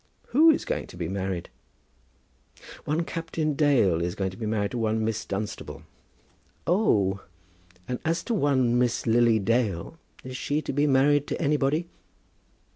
"Who is going to be married?" "One Captain Dale is going to be married to one Miss Dunstable." "Oh! And as to one Miss Lily Dale, is she to be married to anybody?"